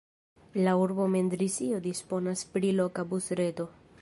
La urbo Mendrisio disponas pri loka busreto.